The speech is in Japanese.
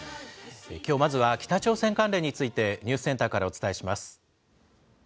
きょうまずは、北朝鮮関連について、ニュースセンターからお伝えします。